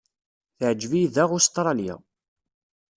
Teɛjeb-iyi daɣ Ustṛalya.